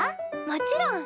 もちろん！